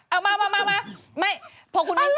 เอามาไม่พอคุณมิ้นตอบ